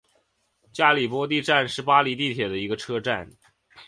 加里波第站是巴黎地铁的一个车站。